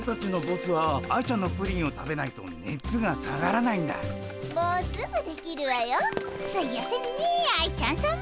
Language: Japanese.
すいやせんねえ愛ちゃんさま。